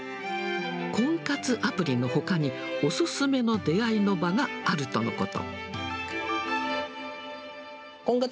婚活アプリのほかに、お勧めの出会いの場があるとのこと。